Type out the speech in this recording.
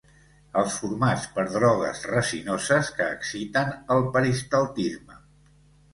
Els formats per drogues resinoses, que exciten el peristaltisme.